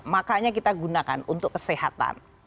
makanya kita gunakan untuk kesehatan